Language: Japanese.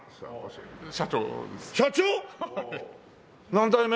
何代目？